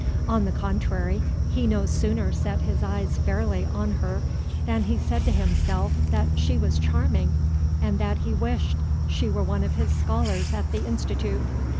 On the contrary, he no sooner set his eyes fairly on her than he said to himself that she was charming, and that he wished she were one of his scholars at the Institute.